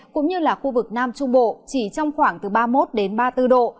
cũng như là khu vực nam trung bộ chỉ trong khoảng ba mươi một ba mươi bốn độ